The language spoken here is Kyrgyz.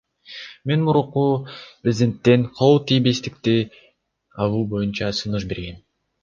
Мен мурунку президенттен кол тийбестикти алуу боюнча сунуш бергем.